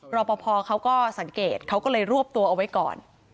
รอปภเขาก็สังเกตเขาก็เลยรวบตัวเอาไว้ก่อน